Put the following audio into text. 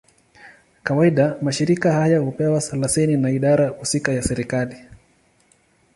Kawaida, mashirika haya hupewa leseni na idara husika ya serikali.